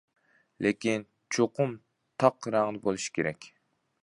لېكىن، چوقۇم تاق رەڭدە بولۇشى كېرەك.